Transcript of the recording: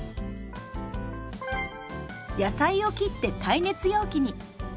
野菜を切って耐熱容器に。